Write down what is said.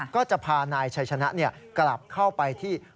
ก็จะพานายชัยชนะกลับเข้าไปที่